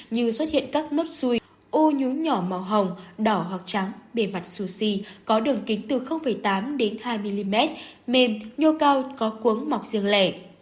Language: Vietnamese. như xuất hiện các nốt suối ô nhú nhỏ màu hồng đỏ hoặc trắng bề mặt suối có đường kính từ tám hai mm mềm nhô cao có cuống mọc riêng lẻ